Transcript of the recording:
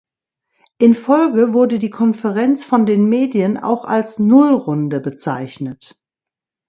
Infolge wurde die Konferenz von den Medien auch als Nullrunde bezeichnet.